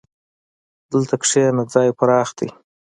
دلته کښېنه، ځای پراخ دی.